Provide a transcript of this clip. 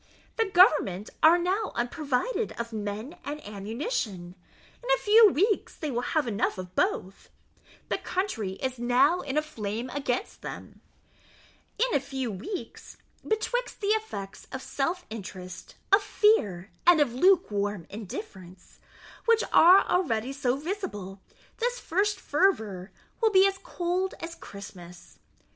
The government are now unprovided of men and ammunition; in a few weeks they will have enough of both: the country is now in a flame against them; in a few weeks, betwixt the effects of self interest, of fear, and of lukewarm indifference, which are already so visible, this first fervour will be as cold as Christmas.